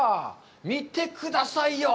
見てくださいよ。